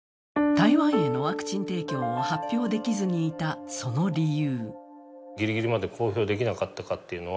台湾へのワクチン提供を発表できずにいたその理由。